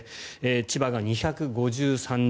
千葉が２５３人。